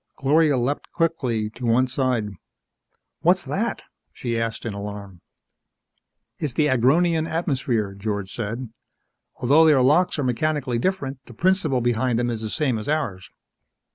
Gloria leapt quickly to one side. "What's that?" she asked, in alarm. "It's the Agronian atmosphere," George said. "Although their locks are mechanically different, the principle behind them is the same as ours."